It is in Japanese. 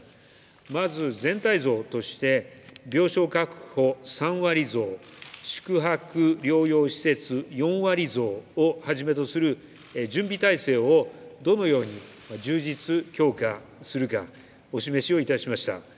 まず、全体像として、病床確保３割増、宿泊療養施設４割増をはじめとする準備体制をどのように充実、強化するか、お示しをいたしました。